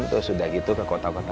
terus sudah gitu ke kota kota